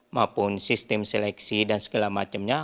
maupun sistem seleksi dan segala macamnya